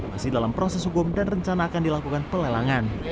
masih dalam proses hukum dan rencana akan dilakukan pelelangan